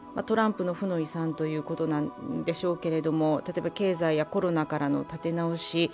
トランプの負の遺産ということなんでしょうけれども、例えば経済やコロナからの立て直し